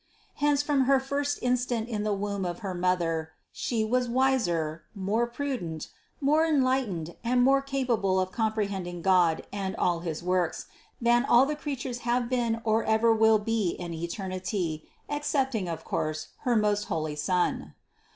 Hence from her first instant in the womb of her mother, She was wiser, more prudent, more enlightened, and more capable of comprehending God and all his works, than all the crea 14 186 CITY OF GOD tures have been or ever will be in eternity, excepting of course her most holy Son.